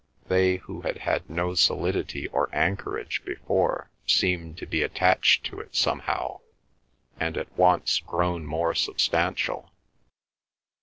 They who had had no solidity or anchorage before seemed to be attached to it somehow, and at once grown more substantial.